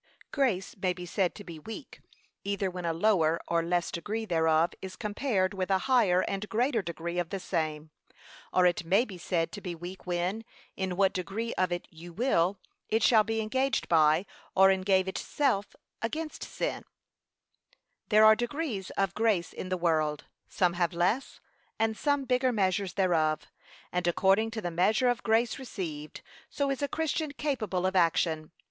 Grace may be said to be weak, either when a lower or less degree thereof is compared with a higher and greater degree of the same; or it may be said to be weak when, in what degree of it you will, it shall be engaged by, or engage itself against sin, &c. There are degrees of grace in the world, some have less, and some bigger measures thereof, and according to the measure of grace received, so is a Christian capable of action.